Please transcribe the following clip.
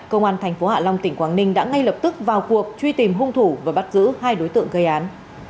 công an thành phố hạ long tỉnh quảng ninh đã ngay lập tức vào cuộc truy tìm hung thủ và bắt giữ hai đối tượng gây án